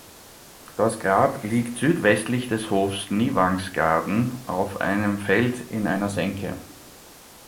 Das Grab liegt südwestlich des Hofs Nyvangsgaarden auf einem Feld in einer Senke.